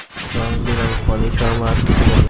রং-বিরং ফণী শর্মার আত্মজীবনী।